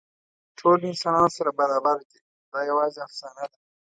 ټول انسانان سره برابر دي، دا یواځې افسانه ده.